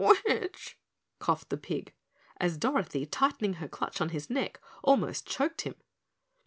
"Witch?" coughed the pig, as Dorothy, tightening her clutch on his neck, almost choked him.